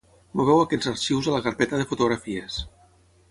Moveu aquests arxius a la carpeta de fotografies.